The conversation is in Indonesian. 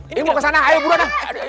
ini mau kesana ayo burona